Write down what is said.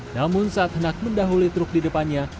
namun saat hendak mendahului truk di depannya